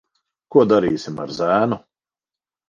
Ko darīsim ar zēnu?